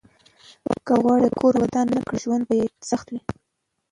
که هغه کور ودان نه کړي، نو ژوند به یې سخت وي.